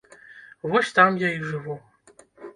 Вось там я і жыву.